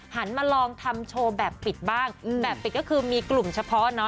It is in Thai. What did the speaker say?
หันมาลองทำโชว์แบบปิดบ้างแบบปิดก็คือมีกลุ่มเฉพาะเนาะ